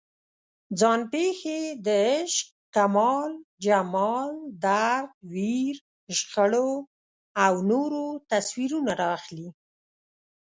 ځان پېښې د عشق، کمال، جمال، درد، ویر، شخړو او نورو تصویرونه راخلي.